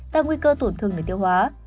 tăng nguy cơ tổn thương để tiêu hóa